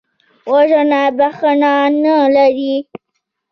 وژنه بښنه نه لري